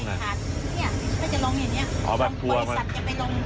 เพราะว่าถ้าเขาลงถึงร้านนึง